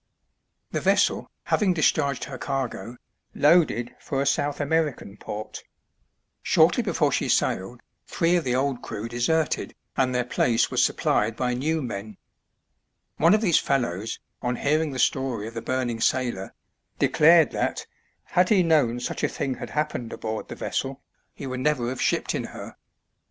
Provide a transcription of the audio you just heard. The vessel, having discharged her cargo, loaded for a South American port. Shortly before she sailed three of the old crew deserted, and their place was supplied by new men. One of these fellows, on hearing the story of the burning sailor, declared that, had he known such a thing had happened aboard the vessel, he would never have shipped in her.